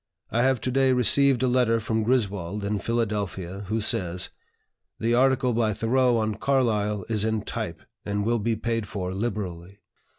I have to day received a letter from Griswold, in Philadelphia, who says: 'The article by Thoreau on Carlyle is in type, and will be paid for liberally.'